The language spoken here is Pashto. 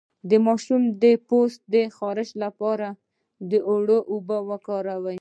د ماشوم د پوستکي د خارښ لپاره د اوړو اوبه وکاروئ